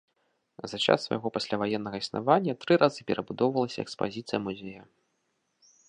За час свайго пасляваеннага існавання тры разы перабудоўвалася экспазіцыя музея.